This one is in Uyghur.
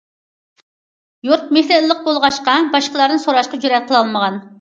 يۇرت مېھرى ئىللىق بولغاچقا، باشقىلاردىن سوراشقا جۈرئەت قىلالمىغان.